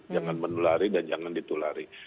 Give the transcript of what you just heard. jangan menulari dan jangan ditulari